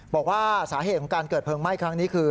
บอกว่าสาเหตุของการเกิดเพลิงไหม้ครั้งนี้คือ